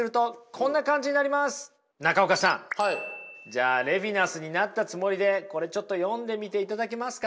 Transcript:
じゃあレヴィナスになったつもりでこれちょっと読んでみていただけますか。